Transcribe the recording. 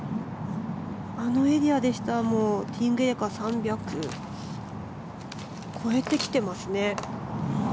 あのエリアでしたらティーイングエリアから３００を超えてきてますね。